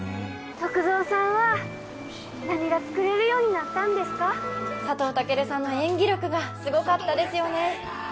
篤蔵さんは何が作れるようになったんですか佐藤健さんの演技力がすごかったですよね